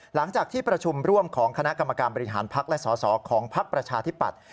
หลังจากที่ประชุมร่วมของคณะกรรมการบริหารพักและสอสอของพักประชาธิปัตย์